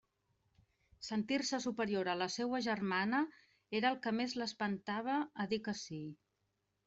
Sentir-se superior a la seua germana era el que més l'espentava a dir que sí.